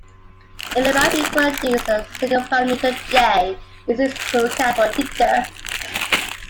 In the above inequalities, a single parameter, "J", is used to account for jitter.